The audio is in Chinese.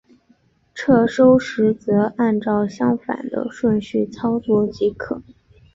撤收时则按照相反的顺序操作即可。